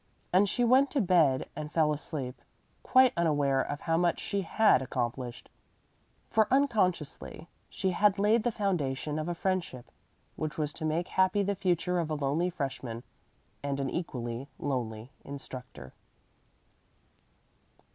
And she went to bed and fell asleep, quite unaware of how much she had accomplished; for unconsciously she had laid the foundation of a friendship which was to make happy the future of a lonely freshman and an equally lonely instructor.